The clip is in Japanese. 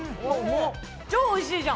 超おいしいじゃん！